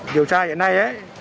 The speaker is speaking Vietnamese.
điều tra hiện nay